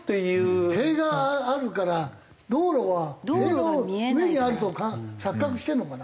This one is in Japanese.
塀があるから道路は塀の上にあると錯覚してるのかな？